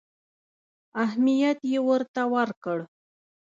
اهمیت یې ورته ورکړ.